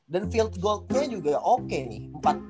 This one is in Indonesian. dan field gold nya juga oke nih